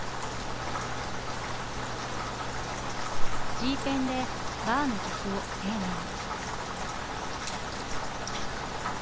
Ｇペンでバーの客を丁寧に。